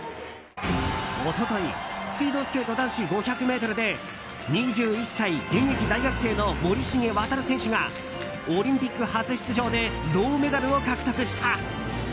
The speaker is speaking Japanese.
一昨日、スピードスケート男子５００ｍで２１歳、現役大学生の森重航選手がオリンピック初出場で銅メダルを獲得した。